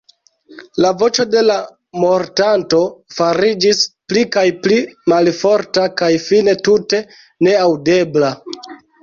La voĉo de la mortanto fariĝis pli kaj pli malforta kaj fine tute neaŭdebla.